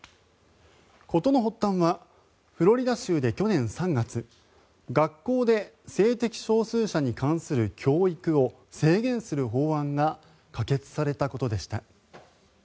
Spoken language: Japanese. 事の発端はフロリダ州で去年３月学校で性的少数者に関する教育を制限する法案が可決されたことでした。